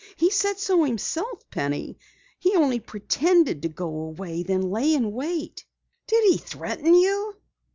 He said so himself, Penny. He only pretended to go away, then lay in wait." "Did he threaten you?"